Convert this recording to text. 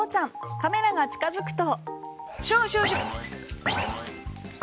カメラが近付くと。